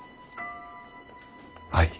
はい。